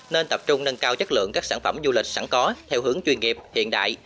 nên tập trung nâng cao chất lượng các sản phẩm du lịch sẵn có theo hướng chuyên nghiệp hiện đại